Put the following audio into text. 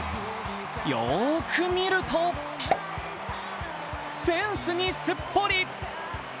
よーく見ると、フェンスにすっぽり。